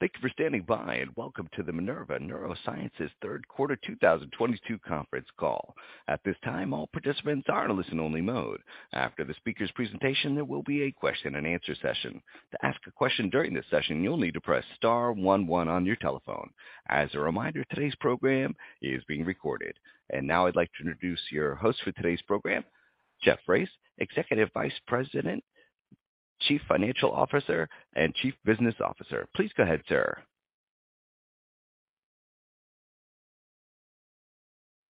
Thank you for standing by, and welcome to the Minerva Neurosciences third quarter 2022 conference call. At this time, all participants are in listen-only mode. After the speaker's presentation, there will be a question-and-answer session. To ask a question during this session, you'll need to press star one one on your telephone. As a reminder, today's program is being recorded. Now I'd like to introduce your host for today's program, Geoff Race, Executive Vice President, Chief Financial Officer, and Chief Business Officer. Please go ahead, sir.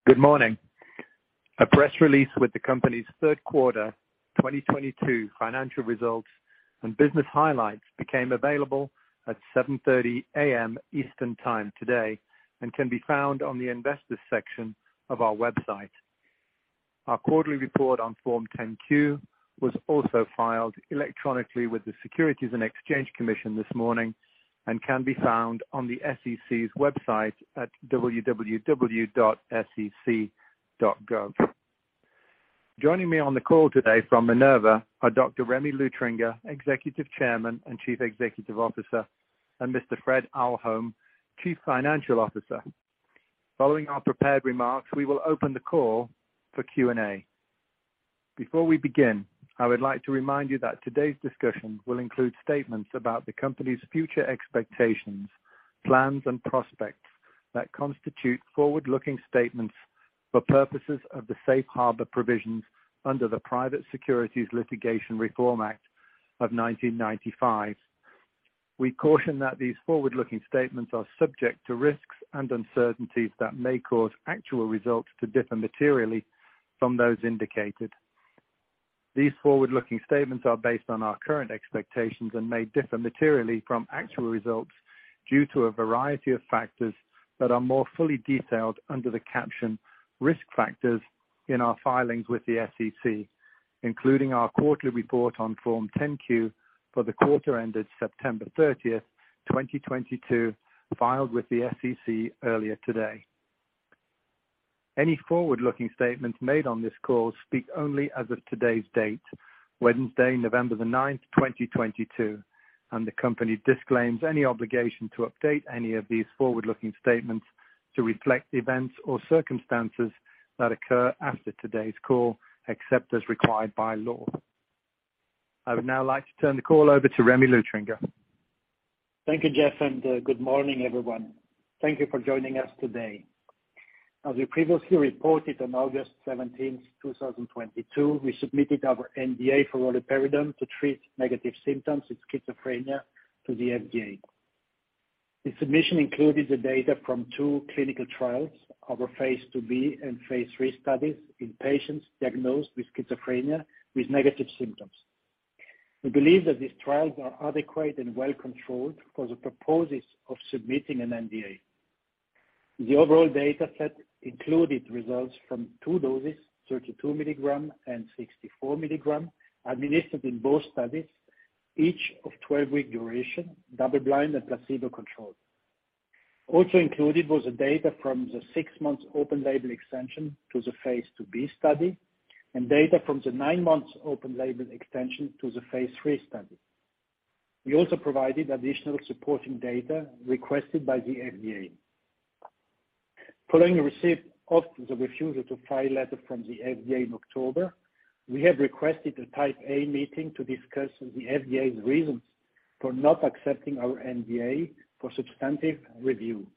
Good morning. A press release with the company's third quarter 2022 financial results and business highlights became available at 7:30 A.M. Eastern Time today, and can be found on the investors section of our website. Our quarterly report on Form 10-Q was also filed electronically with the Securities and Exchange Commission this morning and can be found on the SEC's website at www.sec.gov. Joining me on the call today from Minerva are Dr. Rémy Luthringer, Executive Chairman and Chief Executive Officer, and Mr. Fred Ahlholm, Chief Financial Officer. Following our prepared remarks, we will open the call for Q&A. Before we begin, I would like to remind you that today's discussion will include statements about the company's future expectations, plans, and prospects that constitute forward-looking statements for purposes of the safe harbor provisions under the Private Securities Litigation Reform Act of 1995. We caution that these forward-looking statements are subject to risks and uncertainties that may cause actual results to differ materially from those indicated. These forward-looking statements are based on our current expectations and may differ materially from actual results due to a variety of factors that are more fully detailed under the caption Risk Factors in our filings with the SEC, including our quarterly report on Form 10-Q for the quarter ended September 30th, 2022, filed with the SEC earlier today. Any forward-looking statements made on this call speak only as of today's date, Wednesday, November 9th, 2022, and the company disclaims any obligation to update any of these forward-looking statements to reflect events or circumstances that occur after today's call, except as required by law. I would now like to turn the call over to Rémy Luthringer. Thank you, Geoff, and good morning, everyone. Thank you for joining us today. As we previously reported on August 17, 2022, we submitted our NDA for roluperidone to treat negative symptoms in schizophrenia to the FDA. The submission included the data from two clinical trials, our phase II-B and phase III studies in patients diagnosed with schizophrenia with negative symptoms. We believe that these trials are adequate and well controlled for the purposes of submitting an NDA. The overall dataset included results from two doses, 32 mg and 64 mg, administered in both studies, each of 12-week duration, double-blind, and placebo-controlled. Also included was the data from the six-month open-label extension to the phase II-B study and data from the nine-month open-label extension to the phase III study. We also provided additional supporting data requested by the FDA. Following receipt of the refusal to file letter from the FDA in October, we have requested a Type A meeting to discuss the FDA's reasons for not accepting our NDA for substantive review.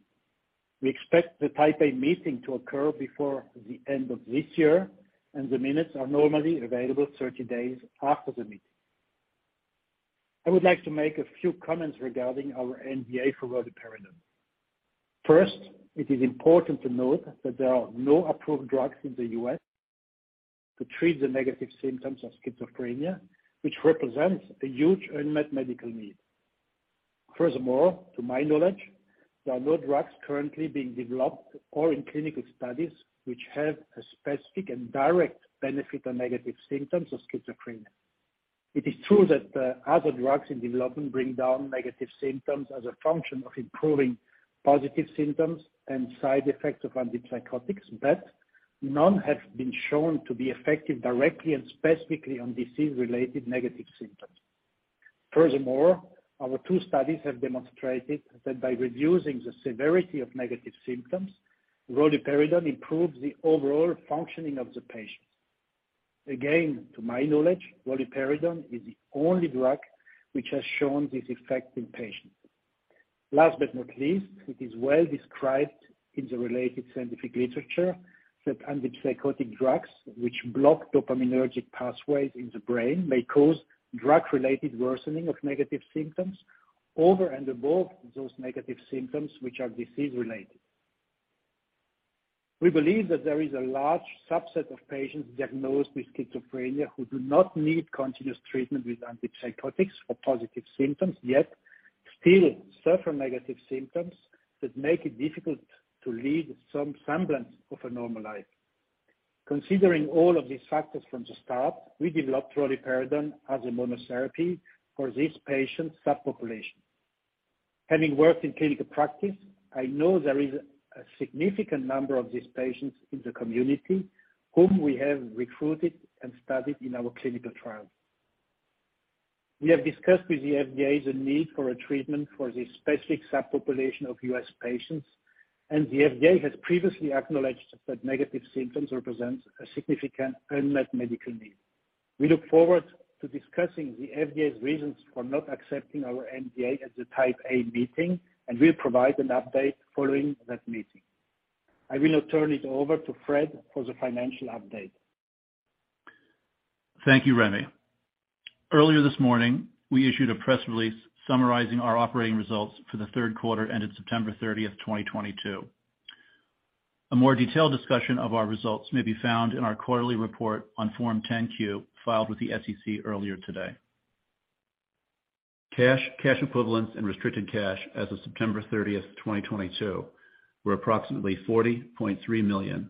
We expect the Type A meeting to occur before the end of this year, and the minutes are normally available 30 days after the meeting. I would like to make a few comments regarding our NDA for roluperidone. First, it is important to note that there are no approved drugs in the U.S. to treat the negative symptoms of schizophrenia, which represents a huge unmet medical need. Furthermore, to my knowledge, there are no drugs currently being developed or in clinical studies which have a specific and direct benefit on negative symptoms of schizophrenia. It is true that other drugs in development bring down negative symptoms as a function of improving positive symptoms and side effects of antipsychotics, but none have been shown to be effective directly and specifically on disease-related negative symptoms. Furthermore, our two studies have demonstrated that by reducing the severity of negative symptoms, roluperidone improves the overall functioning of the patients. Again, to my knowledge, roluperidone is the only drug which has shown this effect in patients. Last but not least, it is well described in the related scientific literature that antipsychotic drugs which block dopaminergic pathways in the brain may cause drug-related worsening of negative symptoms over and above those negative symptoms which are disease-related. We believe that there is a large subset of patients diagnosed with schizophrenia who do not need continuous treatment with antipsychotics for positive symptoms, yet still suffer negative symptoms that make it difficult to lead some semblance of a normal life. Considering all of these factors from the start, we developed roluperidone as a monotherapy for this patient subpopulation. Having worked in clinical practice, I know there is a significant number of these patients in the community whom we have recruited and studied in our clinical trials. We have discussed with the FDA the need for a treatment for the specific subpopulation of U.S. patients, and the FDA has previously acknowledged that negative symptoms represent a significant unmet medical need. We look forward to discussing the FDA's reasons for not accepting our NDA at the Type A meeting, and we'll provide an update following that meeting. I will now turn it over to Fred for the financial update. Thank you, Rémy. Earlier this morning, we issued a press release summarizing our operating results for the third quarter ended September 30th, 2022. A more detailed discussion of our results may be found in our quarterly report on Form 10-Q filed with the SEC earlier today. Cash, cash equivalents and restricted cash as of September 30th, 2022 were approximately $40.3 million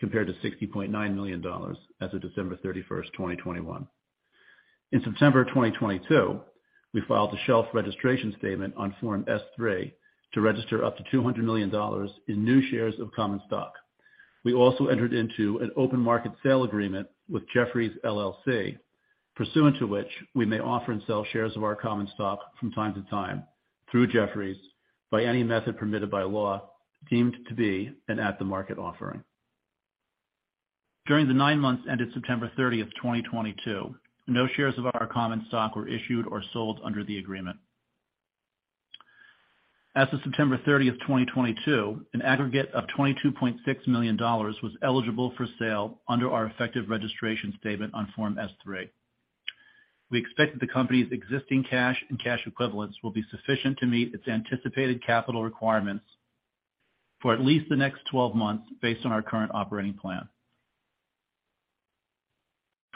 compared to $60.9 million as of December 31st, 2021. In September 2022, we filed a shelf registration statement on Form S-3 to register up to $200 million in new shares of common stock. We also entered into an open market sale agreement with Jefferies LLC, pursuant to which we may offer and sell shares of our common stock from time to time through Jefferies by any method permitted by law deemed to be an at-the-market offering. During the nine months ended September 30th, 2022, no shares of our common stock were issued or sold under the agreement. As of September 30th, 2022, an aggregate of $22.6 million was eligible for sale under our effective registration statement on Form S-3. We expect that the company's existing cash and cash equivalents will be sufficient to meet its anticipated capital requirements for at least the next 12 months based on our current operating plan.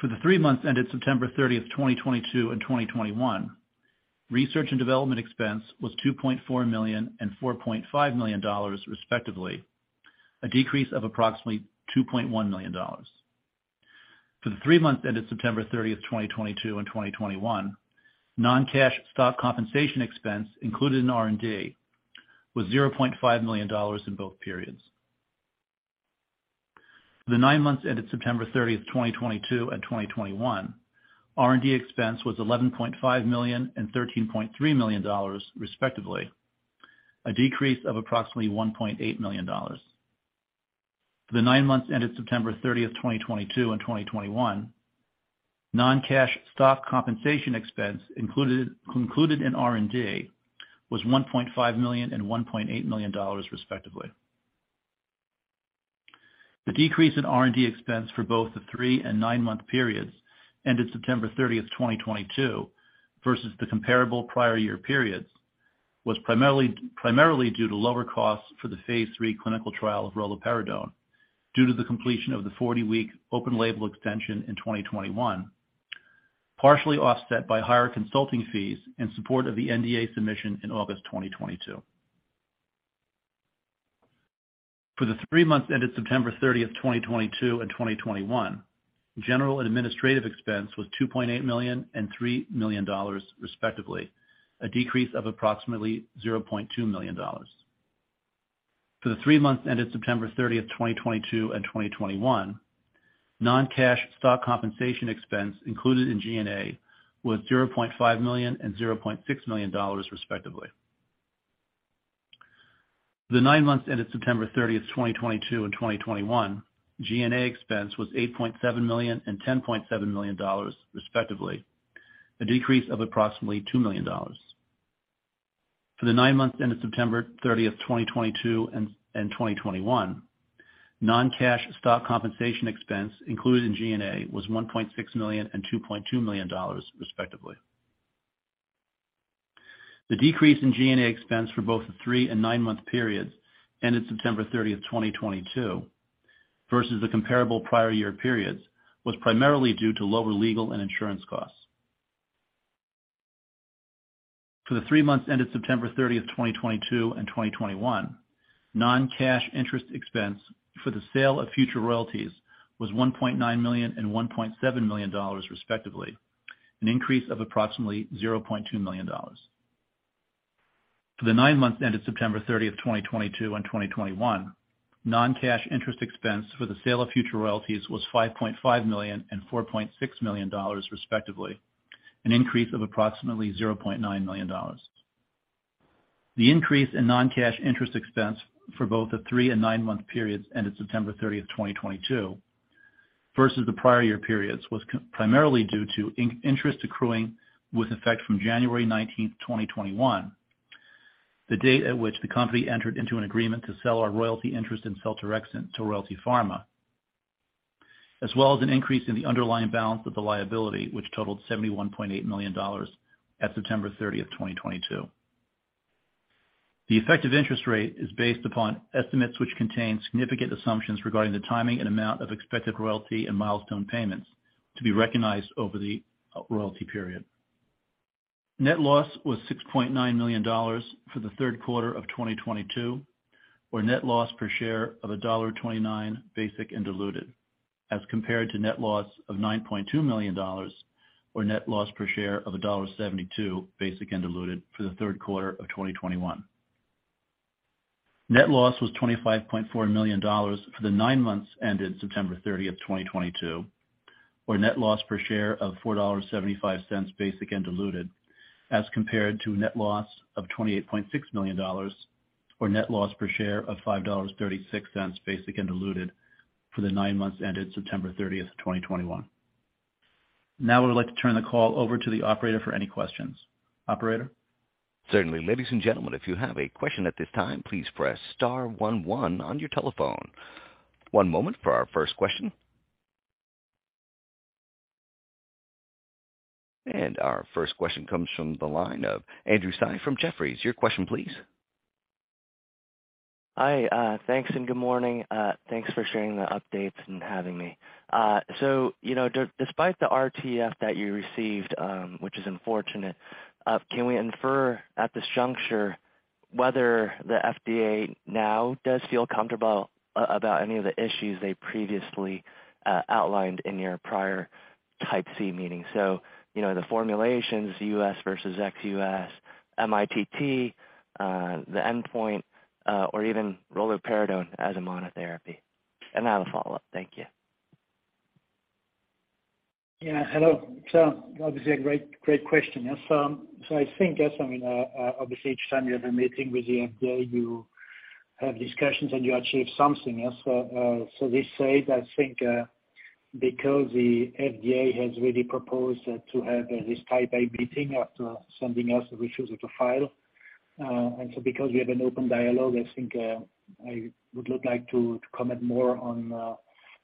For the three months ended September 30, 2022 and 2021, research and development expense was $2.4 million and $4.5 million, respectively, a decrease of approximately $2.1 million. For the three months ended September 30th, 2022 and 2021, non-cash stock compensation expense included in R&D was $0.5 million in both periods. For the nine months ended September 30th, 2022 and 2021, R&D expense was $11.5 million and $13.3 million, respectively, a decrease of approximately $1.8 million. For the nine months ended September 30th, 2022 and 2021, non-cash stock compensation expense included in R&D was $1.5 million and $1.8 million, respectively. The decrease in R&D expense for both the three- and nine-month periods ended September 30th, 2022 versus the comparable prior year periods was primarily due to lower costs for the phase III clinical trial of roluperidone due to the completion of the 40-week open label extension in 2021, partially offset by higher consulting fees in support of the NDA submission in August 2022. For the three months ended September 30th, 2022 and 2021, general and administrative expense was $2.8 million and $3 million, respectively, a decrease of approximately $0.2 million. For the three months ended September 30th, 2022 and 2021, non-cash stock compensation expense included in G&A was $0.5 million and $0.6 million, respectively. For the nine months ended September 30th, 2022 and 2021, G&A expense was $8.7 million and $10.7 million, respectively, a decrease of approximately $2 million. For the nine months ended September 30th, 2022 and 2021, non-cash stock compensation expense included in G&A was $1.6 million and $2.2 million, respectively. The decrease in G&A expense for both the three- and nine-month periods ended September 30th, 2022 versus the comparable prior year periods was primarily due to lower legal and insurance costs. For the three months ended September 30th, 2022 and 2021, non-cash interest expense for the sale of future royalties was $1.9 million and $1.7 million, respectively, an increase of approximately $0.2 million. For the nine months ended September 30th, 2022 and 2021, non-cash interest expense for the sale of future royalties was $5.5 million and $4.6 million, respectively, an increase of approximately $0.9 million. The increase in non-cash interest expense for both the three- and nine-month periods ended September 30th, 2022 versus the prior year periods was primarily due to interest accruing with effect from January 19th, 2021, the date at which the company entered into an agreement to sell our royalty interest in seltorexant to Royalty Pharma, as well as an increase in the underlying balance of the liability which totaled $71.8 million at September 30th, 2022. The effective interest rate is based upon estimates which contain significant assumptions regarding the timing and amount of expected royalty and milestone payments to be recognized over the royalty period. Net loss was $6.9 million for the third quarter of 2022, or net loss per share of $1.29 basic and diluted, as compared to net loss of $9.2 million, or net loss per share of $1.72 basic and diluted for the third quarter of 2021. Net loss was $25.4 million for the nine months ended September 30th, 2022, or net loss per share of $4.75 basic and diluted, as compared to net loss of $28.6 million, or net loss per share of $5.36 basic and diluted for the nine months ended September 30th, 2021. Now I would like to turn the call over to the Operator for any questions. Operator? Certainly. Ladies and gentlemen, if you have a question at this time, please press star one one on your telephone. One moment for our first question. Our first question comes from the line of Andrew Tsai from Jefferies. Your question please. Hi, thanks and good morning. Thanks for sharing the updates and having me. You know, despite the RTF that you received, which is unfortunate, can we infer at this juncture whether the FDA now does feel comfortable about any of the issues they previously outlined in your prior Type C meeting? You know, the formulations, U.S. versus ex-U.S., mITT, the endpoint, or even roluperidone as a monotherapy. I have a follow-up. Thank you. Yeah. Hello. Obviously a great question. Yes. I think, yes, I mean, obviously each time you have a meeting with the FDA, you have discussions and you achieve something. Yes. That said, I think, because the FDA has really proposed to have this Type A meeting after sending us the refusal to file, and so because we have an open dialogue, I think, I would like to comment more on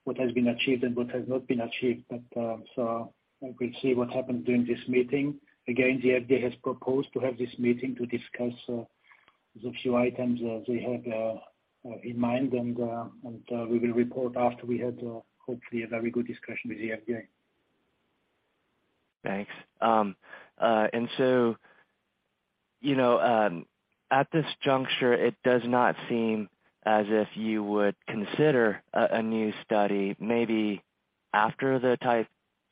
what has been achieved and what has not been achieved. I will see what happens during this meeting. Again, the FDA has proposed to have this meeting to discuss the few items they have in mind. We will report after we have, hopefully a very good discussion with the FDA. Thanks. You know, at this juncture, it does not seem as if you would consider a new study. You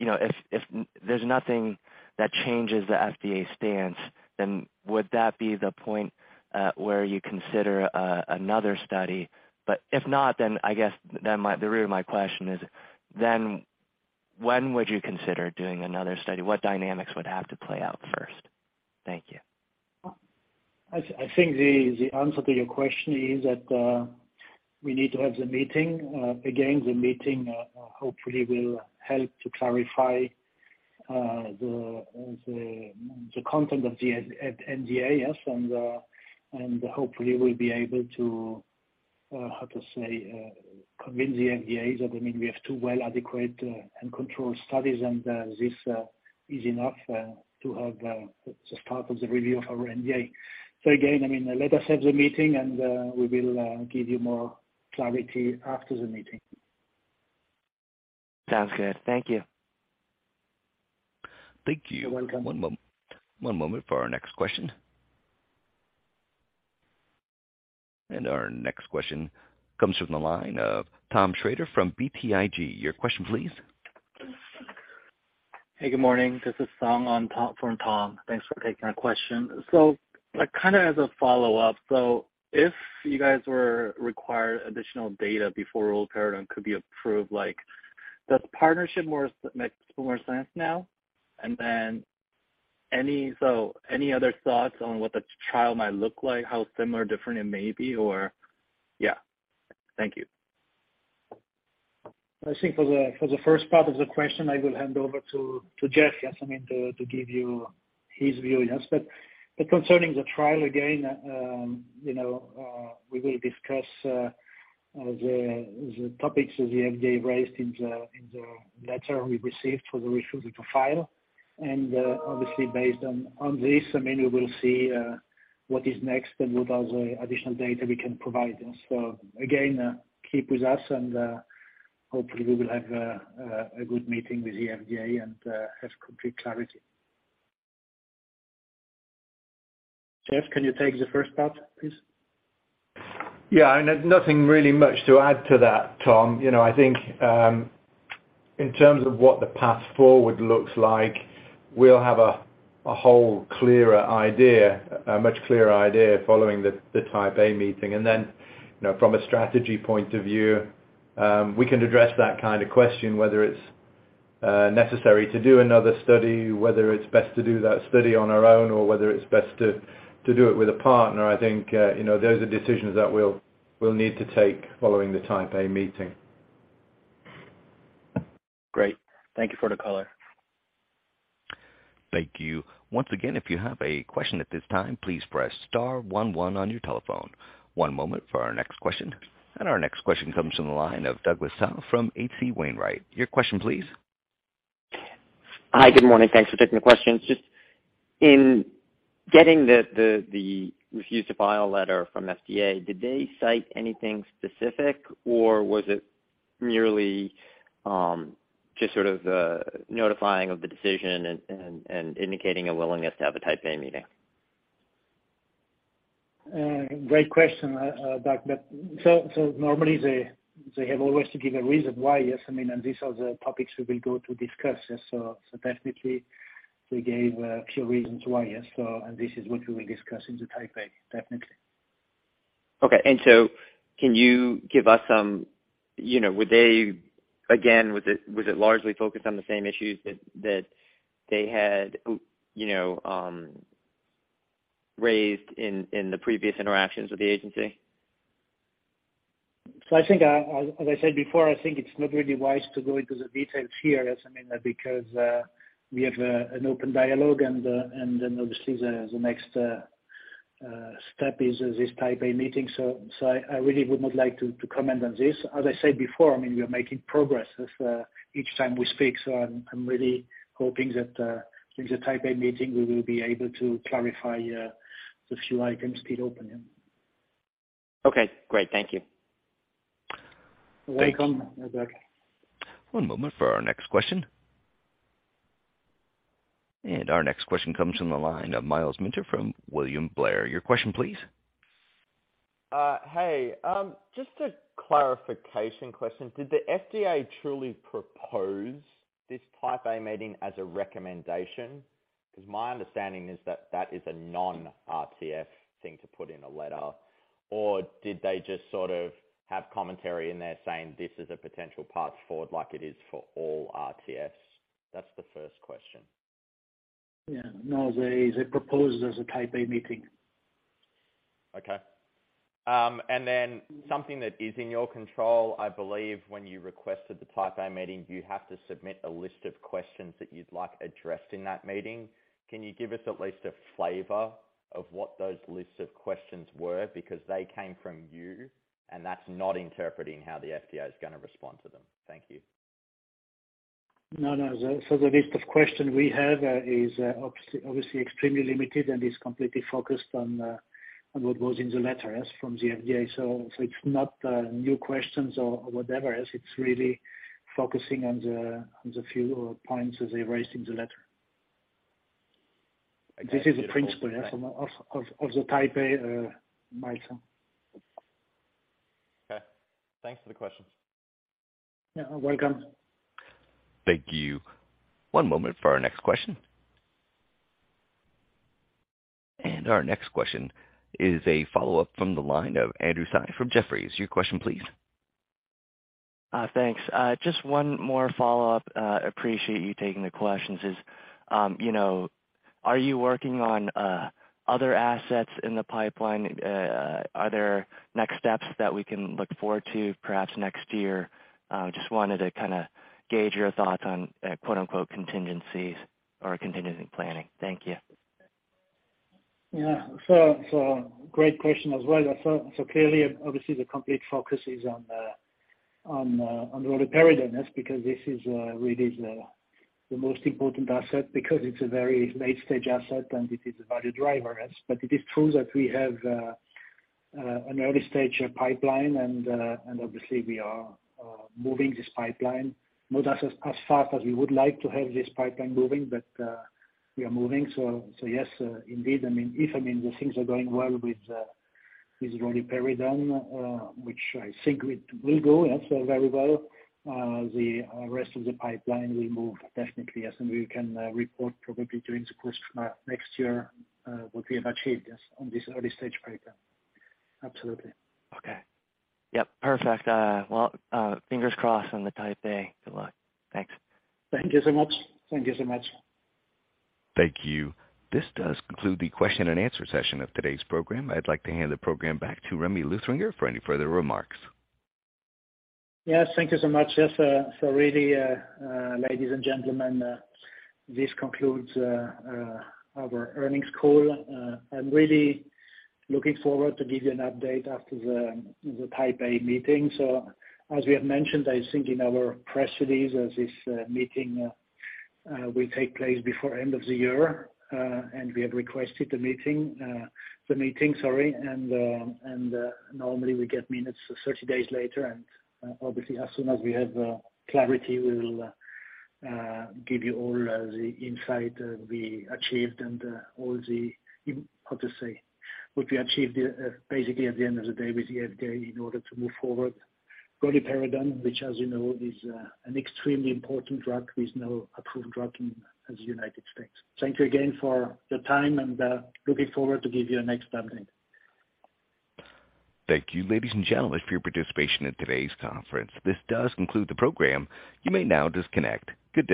know, if there's nothing that changes the FDA stance, then would that be the point where you consider another study? If not, then I guess the root of my question is then when would you consider doing another study? What dynamics would have to play out first? Thank you. I think the answer to your question is that we need to have the meeting. Again, the meeting hopefully will help to clarify the content of the NDA, yes. Hopefully we'll be able to convince the FDA that, I mean, we have two adequate and well-controlled studies and this is enough to have as part of the review of our NDA. Again, I mean, let us have the meeting and we will give you more clarity after the meeting. Sounds good. Thank you. Thank you. You're welcome. One moment for our next question. Our next question comes from the line of Tom Shrader from BTIG. Your question please. Hey, good morning. This is Tom on for Tom. Thanks for taking my question. Like kind of as a follow-up, if you guys were required additional data before roluperidone could be approved, like does a partnership make more sense now? Then any other thoughts on what the trial might look like? How similar or different it may be. Thank you. I think for the first part of the question, I will hand over to Geoff to give you his view. Concerning the trial, again, we will discuss the topics that the FDA raised in the letter we received for the refusal to file. Obviously based on this, I mean, we'll see what is next and what are the additional data we can provide. Again, keep with us and hopefully we will have a good meeting with the FDA and have complete clarity. Geoff, can you take the first part, please? Yeah. Nothing really much to add to that, Tom. You know, I think, in terms of what the path forward looks like, we'll have a much clearer idea following the Type A meeting. Then, you know, from a strategy point of view, we can address that kind of question, whether it's necessary to do another study, whether it's best to do that study on our own or whether it's best to do it with a partner. I think, you know, those are decisions that we'll need to take following the Type A meeting. Great. Thank you for the color. Thank you. Once again, if you have a question at this time, please press star one one on your telephone. One moment for our next question. Our next question comes from the line of Douglas Tsao from H.C. Wainwright. Your question please. Hi. Good morning. Thanks for taking the questions. Just regarding the Refuse to File letter from FDA, did they cite anything specific or was it merely just sort of notifying of the decision and indicating a willingness to have a Type A meeting? Great question, Doug. Normally they have always to give a reason why. Yes, I mean, and these are the topics we will go to discuss. Yes. Definitely we gave a few reasons why. Yes. This is what we will discuss in the Type A, definitely. Okay. Can you give us some, you know, again, was it largely focused on the same issues that they had, you know, raised in the previous interactions with the agency? I think, as I said before, I think it's not really wise to go into the details here. Yes. I mean, because we have an open dialogue and then obviously the next step is this Type A meeting. I really would not like to comment on this. As I said before, I mean, we are making progress as each time we speak, so I'm really hoping that in the Type A meeting we will be able to clarify the few items still open, yeah. Okay, great. Thank you. You're welcome. Thanks. One moment for our next question. Our next question comes from the line of Myles Minter from William Blair. Your question, please. Hey. Just a clarification question. Did the FDA truly propose this Type A meeting as a recommendation? Because my understanding is that that is a non-RTF thing to put in a letter. Or did they just sort of have commentary in there saying this is a potential path forward like it is for all RTFs? That's the first question. Yeah. No, they proposed it as a Type A meeting. Okay. Something that is in your control, I believe when you requested the Type A meeting, you have to submit a list of questions that you'd like addressed in that meeting. Can you give us at least a flavor of what those lists of questions were? Because they came from you, and that's not interpreting how the FDA is gonna respond to them. Thank you. No. The list of questions we have is obviously extremely limited and is completely focused on what was in the letter from the FDA. It's not new questions or whatever, as it's really focusing on the few points that they raised in the letter. This is the principle of the Type A, Myles. Okay. Thanks for the questions. Yeah. You're welcome. Thank you. One moment for our next question. Our next question is a follow-up from the line of Andrew Tsai from Jefferies. Your question please. Thanks. Just one more follow-up. Appreciate you taking the questions, you know, are you working on other assets in the pipeline? Are there next steps that we can look forward to perhaps next year? Just wanted to kinda gauge your thoughts on quote-unquote contingencies or contingency planning. Thank you. Yeah. Great question as well. Clearly, obviously the complete focus is on the roluperidone because this is really the most important asset because it is a very late stage asset and it is a value driver. It is true that we have an early stage pipeline and obviously we are moving this pipeline. Not as fast as we would like to have this pipeline moving, but we are moving. Yes, indeed. I mean, if the things are going well with roluperidone, which I think it will go so very well, the rest of the pipeline will move definitely. Yes. We can report probably during the course of next year what we have achieved, yes, on this early stage pipeline. Absolutely. Okay. Yep. Perfect. Well, fingers crossed on the Type A. Good luck. Thanks. Thank you so much. Thank you so much. Thank you. This does conclude the question-and-answer session of today's program. I'd like to hand the program back to Rémy Luthringer for any further remarks. Yes, thank you so much. Yes. Really, ladies and gentlemen, this concludes our earnings call. I'm really looking forward to give you an update after the Type A meeting. As we have mentioned, I think in our press release that this meeting will take place before end of the year, and we have requested the meeting. Normally we get minutes 30 days later and obviously as soon as we have clarity, we'll give you all the insight we achieved and all that we achieved basically at the end of the day with the FDA in order to move forward roluperidone which as you know, is an extremely important drug with no approved drug in the United States. Thank you again for your time and looking forward to give you a next update. Thank you ladies and gentlemen for your participation in today's conference. This does conclude the program. You may now disconnect. Good day.